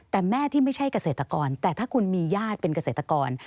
แต่แม่ที่ไม่ใช่เกษตรกรแต่ถ้าคุณมีญาติเป็นเกษตรกร